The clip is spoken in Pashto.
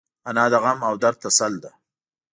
انا د غم او درد تسل ده